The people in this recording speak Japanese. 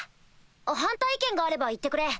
反対意見があれば言ってくれ。